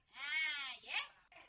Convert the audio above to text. nah ini buat saya